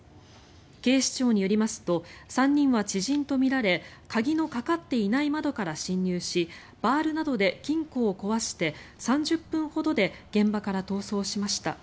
警視庁によりますと３人は知人とみられ鍵のかかっていない窓から侵入しバールなどで金庫を壊して３０分ほどで現場から逃走しました。